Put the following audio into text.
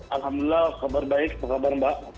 alhamdulillah kabar baik apa kabar mbak